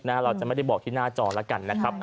เราจะไม่ได้บอกที่หน้าจอแล้วกันนะครับ